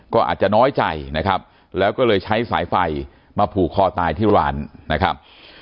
ก็อาจจะน้อยใจนะครับแล้วก็เลยใช้สายไฟมาผูกคอตายที่ร้านนะครับ